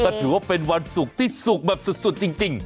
ก็ถือว่าเป็นวันศุกร์ที่สุกแบบสุดจริง